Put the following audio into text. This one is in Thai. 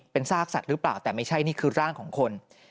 เป็นซากสัตว์หรือเปล่าแต่ไม่ใช่นี่คือร่างของคน